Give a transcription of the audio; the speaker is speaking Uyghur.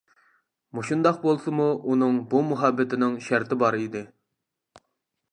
مۇشۇنداق بولسىمۇ، ئۇنىڭ بۇ مۇھەببىتىنىڭ شەرتى بار ئىدى.